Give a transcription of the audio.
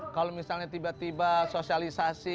kalau misalnya tiba tiba sosialisasi